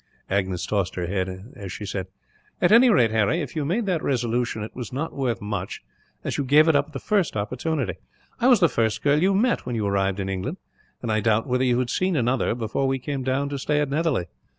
Agnes tossed her head, as she said: "At any rate, Harry, if you made that resolution, it was not worth much, as you gave it up at the first opportunity. I was the first girl you met, when you arrived in England; and I doubt whether you had seen another, before we came down to stay at Netherly.